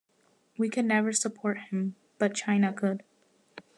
We could never support him, but China could.